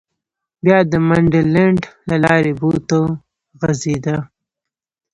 بیا د منډلنډ له لارې بو ته غځېده.